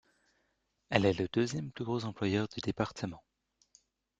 Elle est le deuxième plus gros employeur du département.